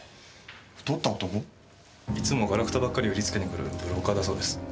いつもガラクタばっかり売りつけに来るブローカーだそうです。